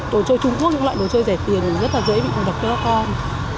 đồ chơi trung quốc những loại đồ chơi rẻ tiền rất là dễ bị ngộ độc cho các con